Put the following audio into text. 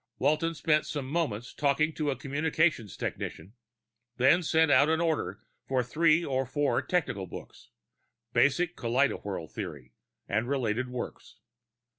Walton spent some moments talking to a communications technician, then sent out an order for three or four technical books Basic Kaleidowhirl Theory and related works.